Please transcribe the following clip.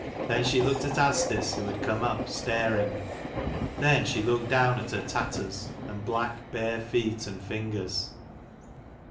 Then she looked at Asdis who had come up, staring. Then she looked down at her tatters, and black, bare feet and fingers.